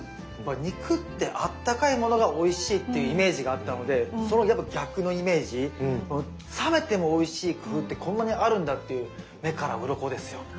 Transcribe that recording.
肉ってあったかいものがおいしいっていうイメージがあったのでその逆のイメージ冷めてもおいしい工夫ってこんなにあるんだっていう目からうろこですよ。